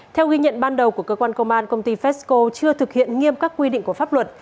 theo ghi nhận ban đầu của cơ quan công an công ty fesco chưa thực hiện nghiêm các quy định của pháp luật